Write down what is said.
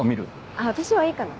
あっ私はいいかな。